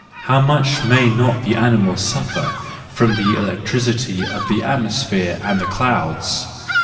How much may not the animals suffer from the electricity of the atmosphere and the clouds!